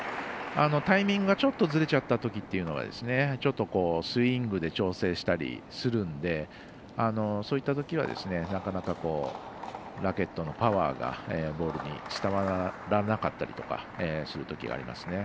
タイミングがちょっとずれちゃったときというのはちょっとスイングで調整したりするんでそういったときはなかなかラケットのパワーがボールに伝わらなかったりとかするときがありますよね。